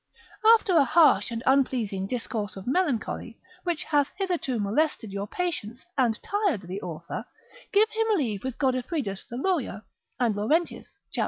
After a harsh and unpleasing discourse of melancholy, which hath hitherto molested your patience, and tired the author, give him leave with Godefridus the lawyer, and Laurentius (cap.